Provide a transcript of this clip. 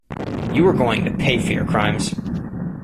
You are going to pay for your crimes.